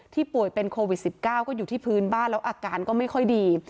ป่วยเป็นโควิด๑๙ก็อยู่ที่พื้นบ้านแล้วอาการก็ไม่ค่อยดี